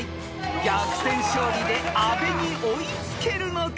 ［逆転勝利で阿部に追いつけるのか？